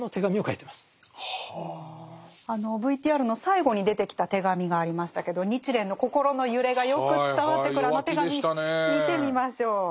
ＶＴＲの最後に出てきた手紙がありましたけど日蓮の心の揺れがよく伝わってくるあの手紙見てみましょう。